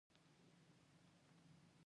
آزاد تجارت مهم دی ځکه چې صنعت پرمختګ کوي.